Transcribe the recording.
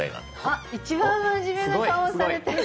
あっ一番まじめな顔をされてる。